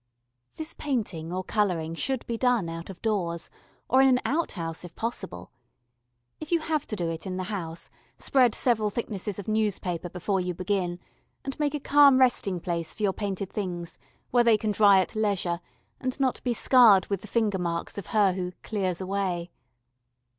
This painting or colouring should be done out of doors, or in an out house, if possible. If you have to do it in the house spread several thicknesses of newspaper before you begin, and make a calm resting place for your painted things where they can dry at leisure and not be scarred with the finger marks of her who "clears away."